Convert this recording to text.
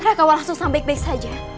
rakawalah susah baik baik saja